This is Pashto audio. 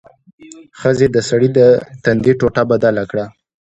ښځې د سړي د تندي ټوټه بدله کړه.